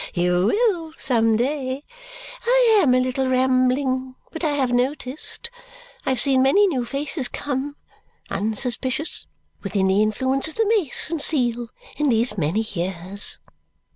You will, some day. I am a little rambling. But I have noticed. I have seen many new faces come, unsuspicious, within the influence of the mace and seal in these many years.